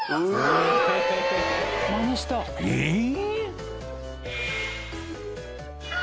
［えっ！？］